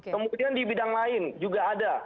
kemudian di bidang lain juga ada